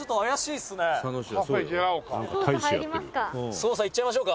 「捜査行っちゃいましょうか」